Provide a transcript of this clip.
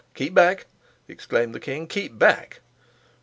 "Keep back," exclaimed the king. "Keep back."